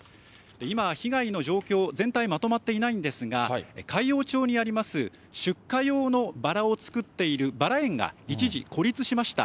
今、被害の状況、全体まとまっていないんですが、海陽町にあります出荷用のバラを作っているバラ園が一時、孤立しました。